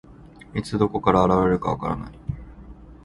いつ、どこから現れるか分からない。